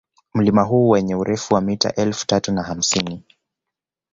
Mlima huu wenye urefu wa mita elfu tatu na hamsini